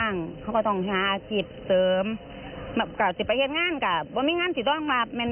นอกจากนี้เธอก็ยังบอกด้วยนะ